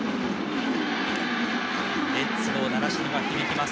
「レッツゴー習志野」が響きます。